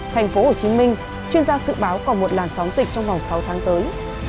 thành phố hồ chí minh chuyên gia dự báo còn một làn sóng dịch trong vòng sáu tháng tới